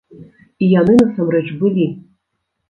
І яны насамрэч былі!